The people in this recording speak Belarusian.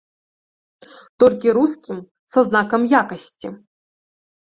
Толькі рускім са знакам якасці.